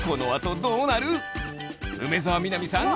梅澤美波さん